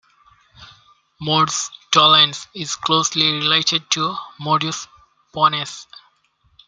"Modus tollens" is closely related to "modus ponens".